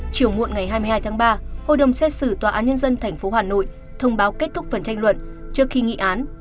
chiều muộn ngày hai mươi hai tháng ba hội đồng xét xử tòa án nhân dân tp hà nội thông báo kết thúc phần tranh luận trước khi nghị án